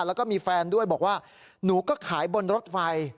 แล้วก็มีแฟนด้วยบอกว่าหนูก็ขายบนรถไฟ